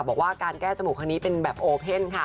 บอกว่าการแก้จมูกครั้งนี้เป็นแบบโอเพ่นค่ะ